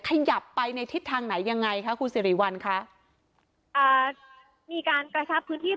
ขยับไปในทิศทางไหนยังไงคะคุณสิริวัลคะอ่ามีการกระชับพื้นที่